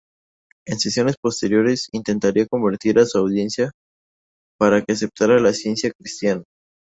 En sesiones posteriores, intentaría convertir a su audiencia para que aceptara la Ciencia Cristiana.